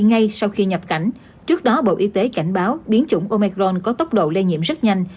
ngay sau khi nhập cảnh trước đó bộ y tế cảnh báo biến chủng omecron có tốc độ lây nhiễm rất nhanh